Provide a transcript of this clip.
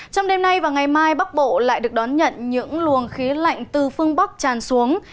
trong đêm nay và ngày mai bắc bộ lại được đón nhận những luồng khí lạnh từ phương bắc tràn xuống